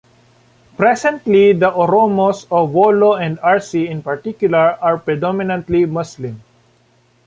Presently, the Oromos of Wollo and Arsi in particular are predominantly Muslim.